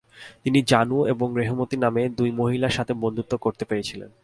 তিনি জানু এবং রেহমতী নামে দুই মহিলার সাথে বন্ধুত্ব করতে পেরেছিলেন।